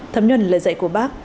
thấm nhuận lời dạy của bác